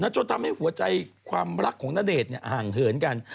จนทำให้หัวใจความรักของณเดชน์ห่างเหินกัน